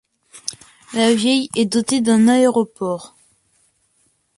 La ville est dotée d'un aéroport.